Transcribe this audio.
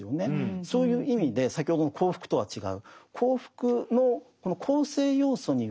そういう意味で先ほどの幸福とは違う。